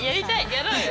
やろうよ！